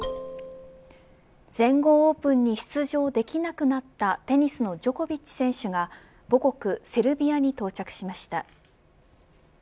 全豪オープンに出場できなくなったテニスのジョコビッチ選手が母国セルビアに到着しました。